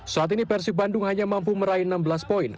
saat ini persib bandung hanya mampu meraih enam belas poin